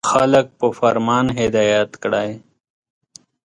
• خلک په فرمان هدایت کړئ.